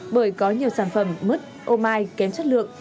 bởi có nhiều sản phẩm mứt ô mai kém chất lượng